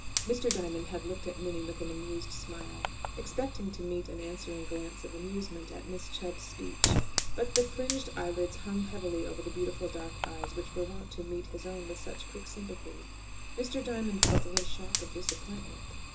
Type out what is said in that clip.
Mr. Diamond had looked at Minnie with an amused smile, expecting to meet an answering glance of amusement at Miss Chubb's speech. But the fringed eyelids hung heavily over the beautiful dark eyes, which were wont to meet his own with such quick sympathy. Mr. Diamond felt a little shock of disappointment.